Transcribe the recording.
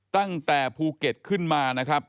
ตั้งแต่ภูเก็ตขึ้นมานะครับ